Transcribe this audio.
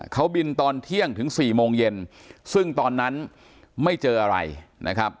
เขาบินตอนเที่ยงถึง๔โมงเย็นซึ่งตอนนั้นไม่เจออะไรนะครับ